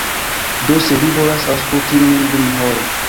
Do se vi volas aŭskulti min dum horo